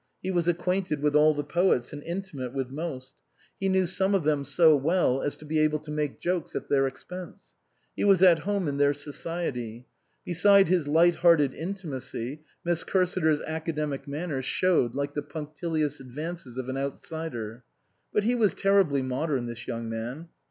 He was acquainted with all the poets and intimate with most ; he knew some of them so well as to be able to make jokes at their expense. He was at home in their society. Be side his light hearted intimacy Miss Cursiter's academic manner showed like the punctilious advances of an outsider. But he was terribly modern this young man.